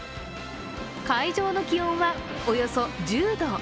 会場の気温はおよそ１０度。